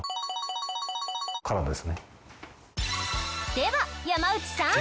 では山内さん。